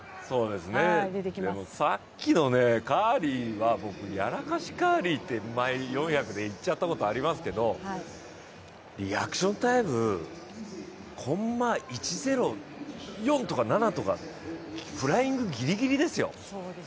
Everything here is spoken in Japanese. でもさっきのカーリーは僕、やらかしカーリーって前４００で言っちゃったことありますけど、コンマ１０４とか７とかフライングギリギリですよ。